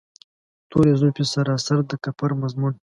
توري زلفې سراسر د کفر مضمون.